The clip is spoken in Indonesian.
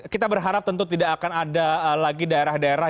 kita berharap tentu tidak akan ada lagi daerah daerah